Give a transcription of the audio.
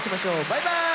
バイバーイ！